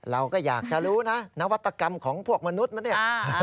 เราก็อยากจะรู้นะนวัตกรรมของพวกมนุษย์มันเนี่ย